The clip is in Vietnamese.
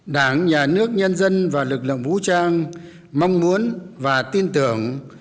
đảng nhà nước nhân dân và lực lượng vũ trang mong muốn và tin tưởng